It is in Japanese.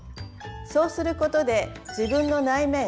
そうすることで自分の内面